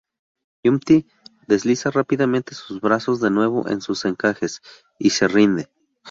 Humpty desliza rápidamente sus brazos de nuevo en sus encajes y se rinde.